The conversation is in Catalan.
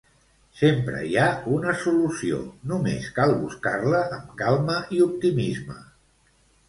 Sempre hi ha una solució, només cal buscar-la amb calma i optimisme.